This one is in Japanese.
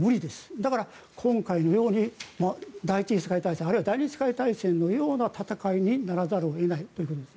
だから今回のように第１次世界大戦第２次世界大戦のような戦いにならざるを得ないという。